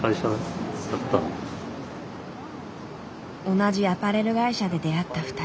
同じアパレル会社で出会った２人。